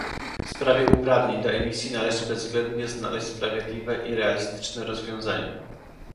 W sprawie uprawnień do emisji należy bezwzględnie znaleźć sprawiedliwe i realistyczne rozwiązanie